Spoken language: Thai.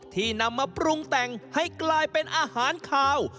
นำมาปรุงแต่งให้กลายเป็นอาหารคาว